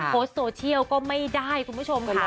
โพสต์โซเชียลก็ไม่ได้คุณผู้ชมค่ะ